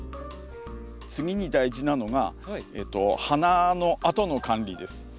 次に大事なのが花のあとの管理です。